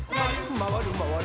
まわるまわる。